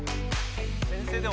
先生でも